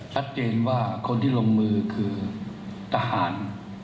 ชัดเจนว่าคนที่ลงมือคือทหาร